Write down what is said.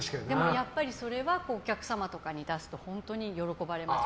やっぱりそれはお客様とかに出すと本当に喜ばれます。